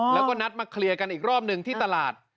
แล้วก็นัดมาเคลียร์กันอีกรอบหนึ่งที่ตลาด